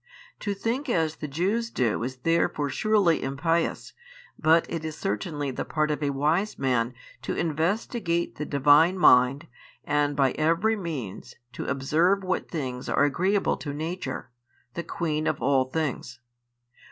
To think as the Jews do is therefore surely impious, but it is certainly the part of a wise man to investigate the Divine mind and by every means to observe what things are agreeable to Nature, the queen of all things.